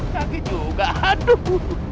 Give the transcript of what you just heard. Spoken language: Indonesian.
sakit juga haduh